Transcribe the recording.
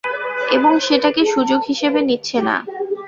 এবং সেটাকে সুযোগ হিসেবে নিচ্ছে না।